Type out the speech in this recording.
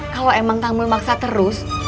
kalau emang kamu maksa terus